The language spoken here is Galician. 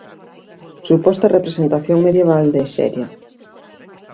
Suposta representación medieval de Exeria..